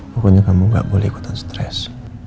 pokoknya kamu gak boleh ikutan stres